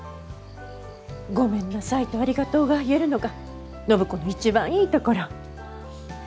「ごめんなさい」と「ありがとう」が言えるのが暢子の一番いいところ。